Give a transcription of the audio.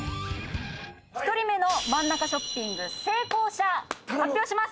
１人目の真ん中ショッピング成功者発表します。